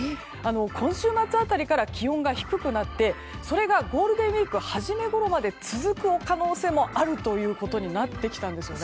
今週末辺りから気温が低くなってそれがゴールデンウィーク初めごろまで続く可能性もあるということになってきたんですね。